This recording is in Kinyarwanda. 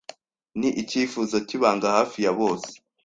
ni icyifuzo cyibanga hafi ya bose.